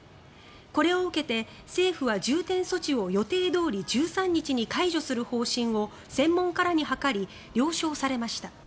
これを受けて政府は重点措置を予定どおり解除する方針を専門家らに諮り了承されました。